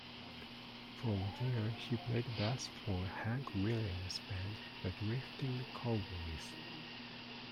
From there, he played bass for Hank Williams' band The Drifting Cowboys.